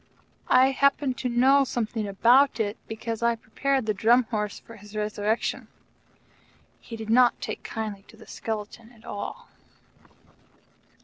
I happen to know something about it, because I prepared the Drum Horse for his resurrection. He did not take kindly to the skeleton at all.